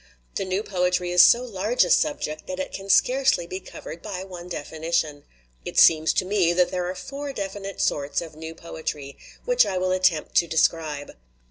The new poetry is so large a subject that it can scarcely be covered by one definition. It seems to me that there are four definite sorts of new poetry, which I will attempt to describe.